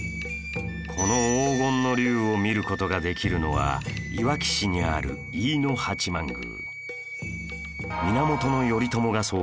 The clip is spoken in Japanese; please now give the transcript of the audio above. この黄金の龍を見る事ができるのはいわき市にある飯野八幡宮